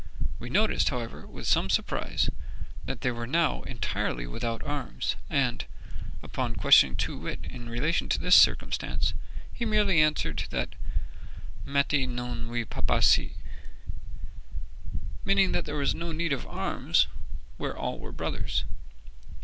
We noticed, however, with some surprise, that they were now entirely without arms; and, upon questioning Too wit in relation to this circumstance, he merely answered that Mattee non we pa pa si—meaning that there was no need of arms where all were brothers.